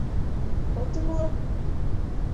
— От умыло?